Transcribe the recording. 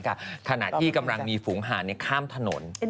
ขณะที่กำลังมีฝูงหานข้ามถนน